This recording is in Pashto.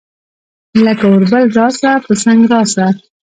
لکه اوربل راسه ، پۀ څنګ راسه